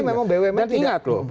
tapi faktanya memang bumn tidak